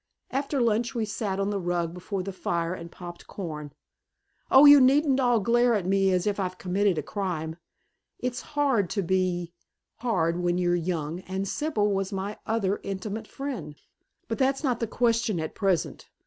After lunch we sat on the rug before the fire and popped corn. Oh, you needn't all glare at me as if I'd committed a crime. It's hard to be hard when you're young, and Sibyl was my other intimate friend. But that's not the question at present.